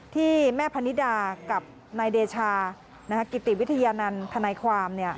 ที่แม่พนิดากับนายเดชากิติวิทยานันต์ทนายความ